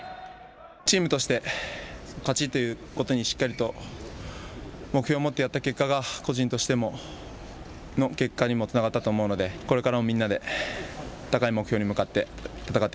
チームとして勝ちということにしっかりと目標をもってやった結果が、個人としての結果にもつながったと思うので、これからもみんなで。